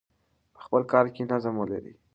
په خپل کار کې نظم ولرئ.